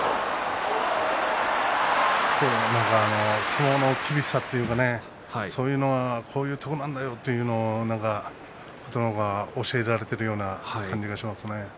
相撲の厳しさというかそういうのはこういうところなんだよというのを琴ノ若教えられているような感じがしますね。